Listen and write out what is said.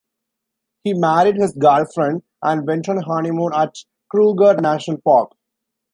He married his girlfriend and went on a honeymoon at Kruger National Park.